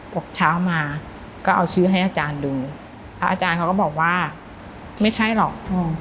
พอเช้ามาก็เอาชื่อให้อาจารย์ดูพระอาจารย์เขาก็บอกว่าไม่ใช่หรอก